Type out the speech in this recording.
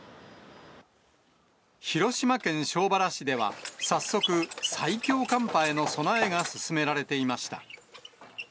広島県庄原市では、早速、最強寒波への備えが進められていました。